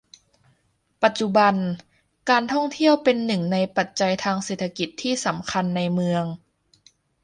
ปัจจุบัน การท่องเที่ยวเป็นหนึ่งในปัจจัยทางเศรษฐกิจที่สำคัญในเมือง